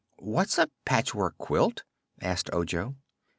"What is a patchwork quilt?" asked Ojo.